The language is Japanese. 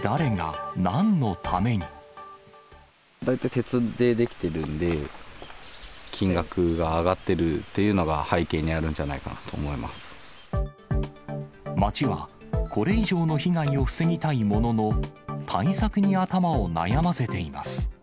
大体、鉄で出来てるんで、金額が上がってるっていうのが、背景にあるんじゃないかなと思い町は、これ以上の被害を防ぎたいものの、対策に頭を悩ませています。